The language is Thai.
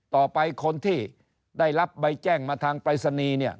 ต่อไปคนที่ได้รับใบแจ้งมาทางปรายศนีย์เนี่ย